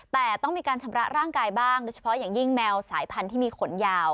แต่ต้องมีการชำระร่างกายบ้างโดยเฉพาะอย่างยิ่งแมวสายพันธุ์ที่มีขนยาว